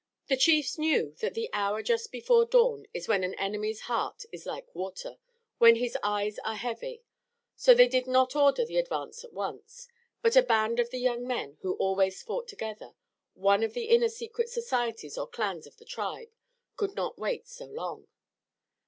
The chiefs knew that the hour just before dawn is when an enemy's heart is like water, when his eyes are heavy, so they did not order the advance at once. But a band of the young men who always fought together, one of the inner secret societies or clans of the tribe, could not wait so long.